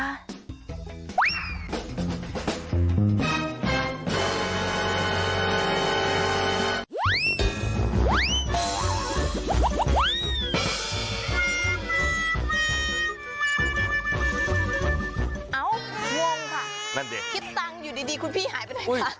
อ้าวง่วงค่ะคิดตังค์อยู่ดีคุณพี่หายไปไหนคะ